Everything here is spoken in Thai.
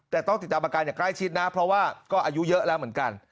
แต่ต้องติดตามอาการอย่างใกล้ชิดนะเพราะว่าก็อายุเยอะแล้วเหมือนกัน